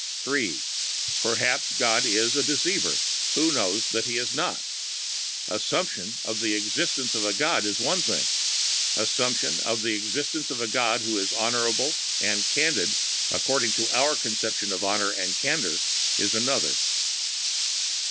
(3) Perhaps God is "a deceiver" who knows that He is not? Assumption of the existence of a God is one thing; assumption of the existence of a God who is honorable and candid according to our finite conception of honor and candor is another.